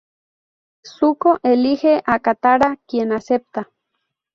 Zuko elije a Katara, quien acepta.